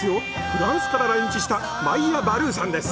フランスから来日したマイア・バルーさんです